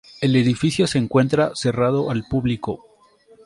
El edificio se encuentra cerrado al público.